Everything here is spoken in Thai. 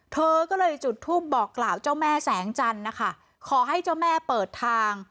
เธอก็เลยจุดทูปบอกกล่าวเจ้าแม่แสงจันทร์นะคะขอให้เจ้าแม่เปิดทาง